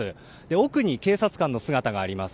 奥に警察官の姿があります。